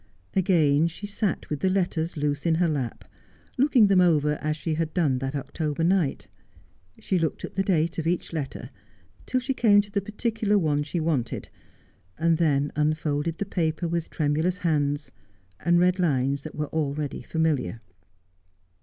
Again she sat with the letters loose in her lap, looking them over as she had done that October night. She looked at the date of each letter till she came to the particular one she wanted, and then unfolded the paper with tremulous hands, and read lines that were already familiar.